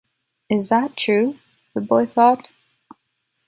Is that true? - the boy thought.